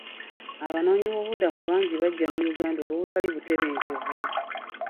Abanoonyiboobubudamu bangi bajja mu Uganda olw'obutali butebenkevu.